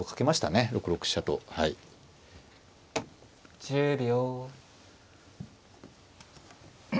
１０秒。